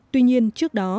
tuy nhiên trước đó